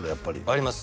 あります